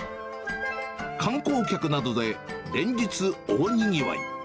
観光客などで連日大にぎわい。